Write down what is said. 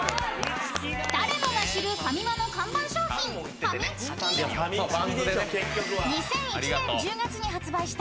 ［誰もが知るファミマの看板商品ファミチキ］